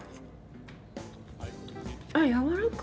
あやわらか！